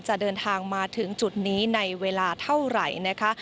จะเดินทางมาถึงจุดนี้ในเวลาเท่าไหร่นะคะ